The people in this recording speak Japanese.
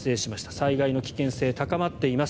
災害の危険性、高まっています。